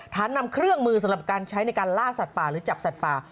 นำเครื่องมือสำหรับการใช้ในการล่าสัตว์ป่าหรือจับสัตว์ป่า